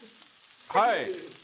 はい！